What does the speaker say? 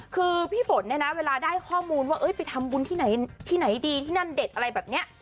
คือพี่ฝนเนี่ยนะเวลาได้ข้อมูลว่าไปทำบุญที่ไหนที่ไหนดีที่นั่นเด็ดอะไรแบบนี้